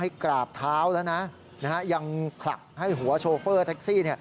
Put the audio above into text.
กราบเท้าแล้วนะยังผลักให้หัวโชเฟอร์แท็กซี่